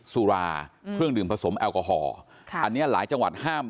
สุราเครื่องดื่มผสมแอลกอฮอล์อันนี้หลายจังหวัดห้าม